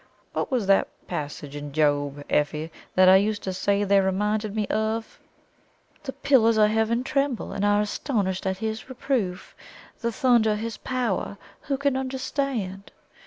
What was that passage in Job, Effie, that I used to say they reminded me of?" "'The pillars of heaven tremble, and are astonished at His reproof ... The thunder of His power, who can understand?'"